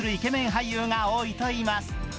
俳優が多いといいます。